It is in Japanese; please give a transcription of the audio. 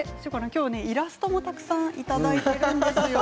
今日はイラストもたくさんいただいているんですよ。